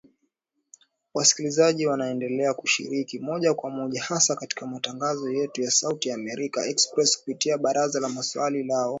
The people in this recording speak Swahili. Wasikilizaji waendelea kushiriki moja kwa moja hasa katika matangazo yetu ya Sauti ya Amerika Express kupitia Barazani na Swali la Leo, Maswali na Majibu, na Salamu Zenu